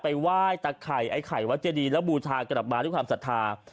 ไปไหว้ตะไข่ไข่วัตต์เจรีละบูชากลับมาธุค์ความศรัทธา